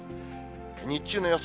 日中の予想